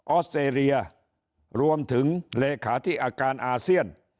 อสเตรเลียรวมถึงเลขาที่อาการอาเซียน